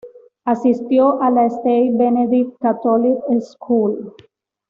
Asistió a la St Benedict Catholic School.